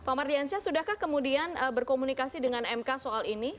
pak mardiansyah sudahkah kemudian berkomunikasi dengan mk soal ini